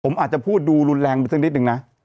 ผมอาจจะพูดดูรุนแรงไปสักนิดนึงนะ